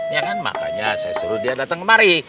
ya kan makanya saya suruh dia datang kemari